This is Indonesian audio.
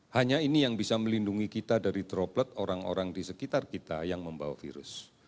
hanya ini yang bisa melindungi kita dari droplet orang orang di sekitar kita yang membawa virus